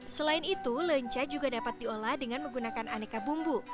selain itu lenca juga dapat diolah dengan menggunakan aneka bumbu